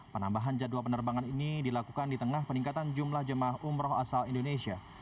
penambahan jadwal penerbangan ini dilakukan di tengah peningkatan jumlah jemaah umroh asal indonesia